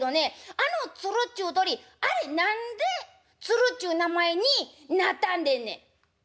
あのつるっちゅう鳥あれ何でつるっちゅう名前になったんでんねん」。